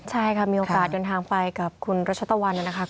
ใช่ค่ะมีโอกาสเดินทางไปกับคุณรัชตะวันนะคะ